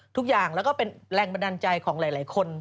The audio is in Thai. ทุกอย่างแล้วก็เป็นแรงบันดาลใจของหลายคน